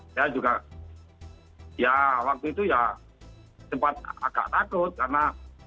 saya juga ya waktu itu ya sempat agak takut karena